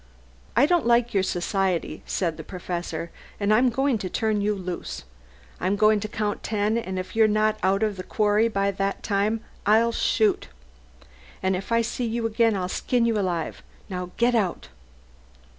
"I don't like your society," said the Professor, "and I'm going to turn you loose. I'm going to count ten, and if you're not out of this quarry by then, I'll shoot. And if I see you again I'll skin you alive. Now get out!"